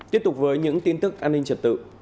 tiếp tục với những tin tức an ninh trật tự